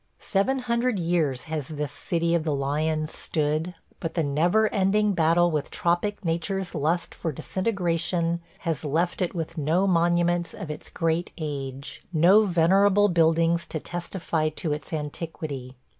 Seven hundred years has this City of the Lions stood, but the never ending battle with tropic nature's lust for disintegration has left it with no monuments of its great age, no venerable buildings to testify to its antiquity.